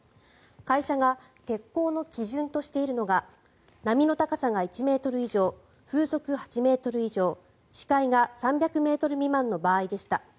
会社が欠航の基準としているのが波の高さが１ｍ以上風速８ｍ以上視界が３００ｍ未満の場合でした。